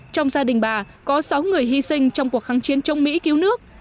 trong gia đình bà có sáu người hy sinh trong cuộc kháng chiến chống mỹ cứu nước